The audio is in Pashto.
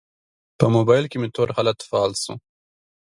په موبایل کې مې تور حالت فعال شو.